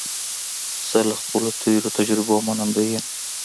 زه له خپلو تېرو تجربو منندوی یم.